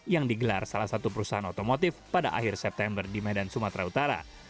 yang digelar salah satu perusahaan otomotif pada akhir september di medan sumatera utara